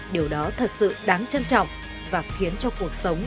điều đó thật sự đáng trân trọng và khiến cho cuộc sống